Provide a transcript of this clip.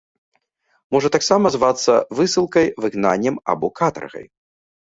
Можа таксама звацца высылкай, выгнаннем або катаргай.